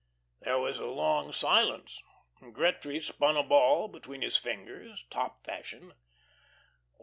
There was a long silence. Gretry spun a ball between his fingers, top fashion.